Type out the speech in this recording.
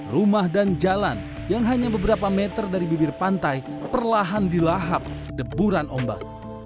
rumah dan jalan yang hanya beberapa meter dari bibir pantai perlahan dilahap deburan ombak